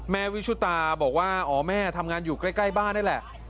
วิชุตาบอกว่าอ๋อแม่ทำงานอยู่ใกล้บ้านนี่แหละ